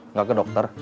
nggak ke dokter